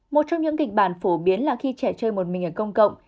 một trong những kịch bản phổ biến là khi trẻ chơi một mình ở công cộng